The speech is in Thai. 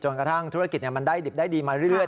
กระทั่งธุรกิจมันได้ดิบได้ดีมาเรื่อย